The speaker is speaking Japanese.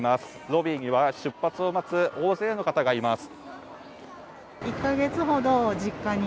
ロビーには出発を待つ大勢の方がいます。